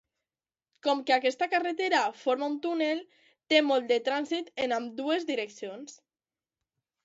Com que aquesta carretera forma un túnel, té molt de trànsit en ambdues direccions.